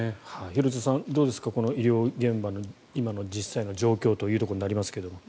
廣津留さん、どうですか医療現場の今の実際の状況ということになりますが。